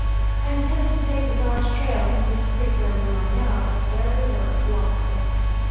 I intended to take the Dodge trail, from this creek where we are now, but there we were, blocked in!